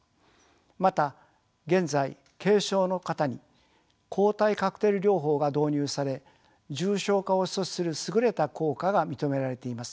また現在軽症の方に抗体カクテル療法が導入され重症化を阻止する優れた効果が認められています。